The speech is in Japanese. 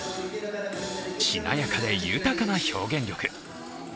しなやかで豊かな表現力。